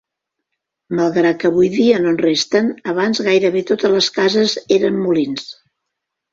Malgrat que avui dia no en resten, abans gairebé totes les cases eren molins.